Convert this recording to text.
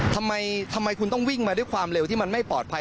ทำไมคุณต้องวิ่งมาด้วยความเร็วที่มันไม่ปลอดภัย